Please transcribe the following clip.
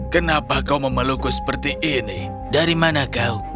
kenapa kau memelukku seperti ini dari mana kau